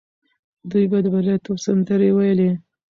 دوی به د بریالیتوب سندرې ویلې.